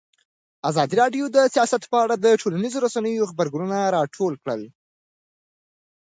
ازادي راډیو د سیاست په اړه د ټولنیزو رسنیو غبرګونونه راټول کړي.